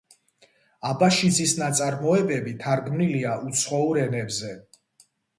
აბაშიძის ნაწარმოებები თარგმნილია უცხოურ ენებზე.